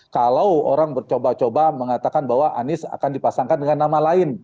kalau orang bercoba coba mengatakan bahwa anies akan dipasangkan dengan nama lain